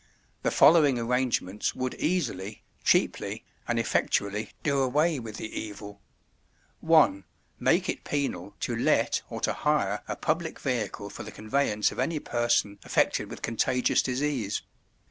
The following arrangements would easily, cheaply, and effectually do away with the evil:—1. Make it penal to let or to hire a public vehicle for the conveyance of any person affected with contagious disease.